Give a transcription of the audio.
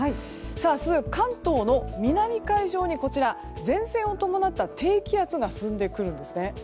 明日、関東の南海上に前線を伴った低気圧が進んでくるんですね。